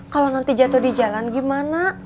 kalau nanti jatuh di jalan gimana